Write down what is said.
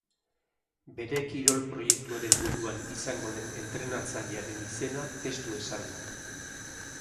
Bere kirol-proiektuaren buruan izango den entrenatzailearen izena ez du esan.